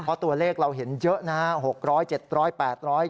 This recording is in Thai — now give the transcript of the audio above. เพราะตัวเลขเราเห็นเยอะนะครับหกร้อยเจ็ดร้อยแปดร้อย